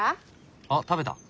あっ食べた。